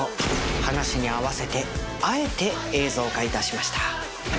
噺に合わせてあえて映像化致しました。